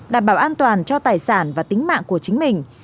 đảm bảo an toàn cho tài sản và tính mạng của chính mình